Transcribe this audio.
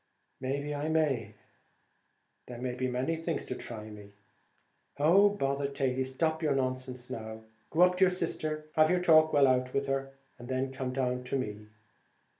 "May be I may! there be many things to try me." "Oh, bother Thady; stop with your nonsense now. Go up to your sister, and have your talk well out with her, and then come down to me.